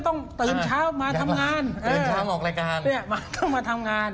ต้องตื่นเช้ามาทำงานเออทางออกรายการเนี่ยมาต้องมาทำงาน